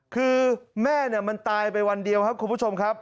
คือแม่มันตายไปวันเดียวครับคุณผู้ชมครับ